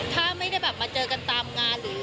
ถ้าไม่ได้แบบมาเจอกันตามงานหรือ